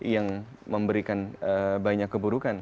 yang memberikan banyak keburukan